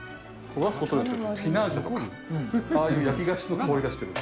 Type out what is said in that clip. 焦がすことによって、フィナンシェとか、ああいう焼き菓子の香りがしてくる。